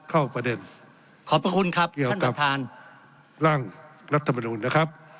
เข้าประเด็นขอบคุณครับท่านบทานล่างนัดธรรมดุลนะครับ